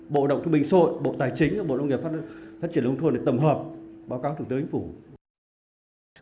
bộ động thương binh xã hội bộ tài chính bộ nông nghiệp phát triển lông thuận tổng hợp báo cáo thủ tướng chính phủ